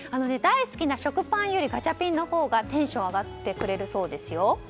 大好きな食パンよりガチャピンのほうがテンションが上がってくれるそうですよ。